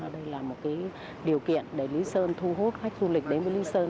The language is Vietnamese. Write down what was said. đây là một điều kiện để lý sơn thu hút khách du lịch đến với lý sơn